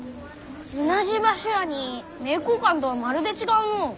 同じ場所やに名教館とはまるで違うのう。